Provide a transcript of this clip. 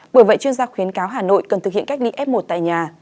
bởi vậy chuyên gia khuyến cáo hà nội cần thực hiện cách nghĩ f một tại nhà